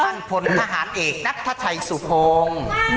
ท่านผลทหารเอกนักทะชัยสุภง